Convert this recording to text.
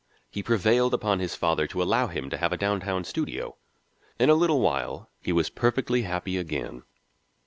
He prevailed upon his father to allow him to have a downtown studio. In a little while he was perfectly happy again.